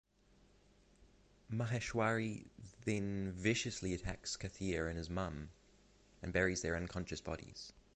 Maheshwari then viciously attacks Kathir and his mom and buries their unconscious bodies.